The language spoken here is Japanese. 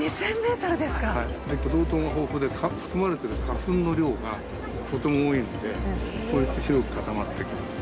ブドウ糖が豊富で含まれてる花粉の量がとても多いのでこうやって白く固まってきます。